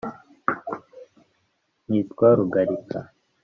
Nitwa Rugalika